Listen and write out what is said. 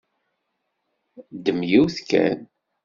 Ddem yiwet kan.